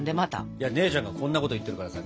いや姉ちゃんがこんなこと言ってるからさ。